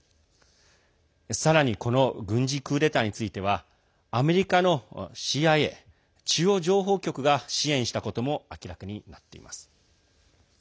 さらにこの軍事クーデターについてはアメリカのＣＩＡ＝中央情報局が支援したことも明らかになっています。